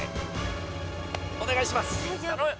お願いします！